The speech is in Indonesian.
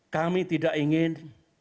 kami tidak ingin